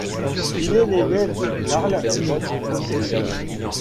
Il est l'élève de Karl von Piloty.